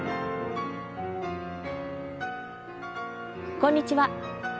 こんにちは。